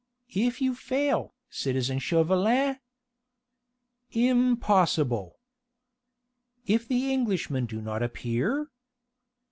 "If you fail, citizen Chauvelin...." "Impossible!" "If the Englishmen do not appear?"